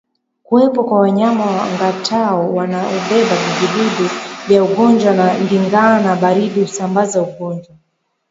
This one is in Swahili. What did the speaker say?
Kuwepo kwa wanyama wangatao wanaobeba vijidudu vya ugonjwa wa ndigana baridi husambaza ugonjwa